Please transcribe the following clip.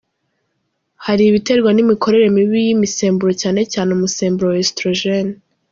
Hari ibiterwa n’imikorere mibi y’imisemburo cyane cyane umusemburo wa estrogen.